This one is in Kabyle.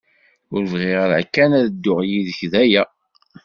Ur bɣiɣ ara kan ad dduɣ yid-k, d aya.